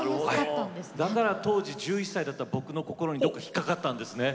だから当時１１歳の僕の心に引っ掛かったんですね。